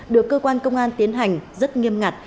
được cơ quan công an tiến hành rất nghiêm ngặt